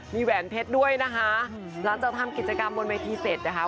มีแหวนเพชรด้วยนะคะหลังจากทำกิจกรรมบนเวทีเสร็จนะคะ